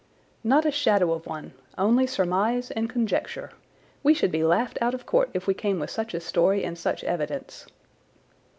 "Not a shadow of one—only surmise and conjecture. We should be laughed out of court if we came with such a story and such evidence."